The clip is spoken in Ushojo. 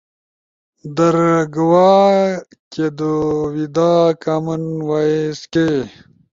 درگوا، کیدویدا، کامن وائس کے؟